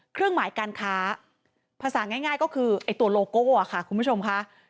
เครื่องหมายการค้าภาษาง่ายก็คือไอ้ตัวโลโก้ค่ะคุณผู้ชมค่ะ